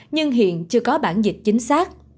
nhưng hiện chưa có bản dịch chính xác